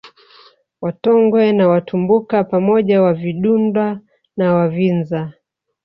Watongwe na Watumbuka pamoja Wavidunda na Wavinza